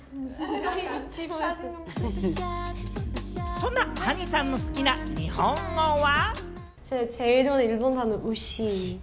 そんなハニさんの好きな日本語は？